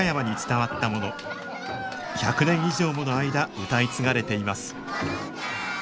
１００年以上もの間歌い継がれています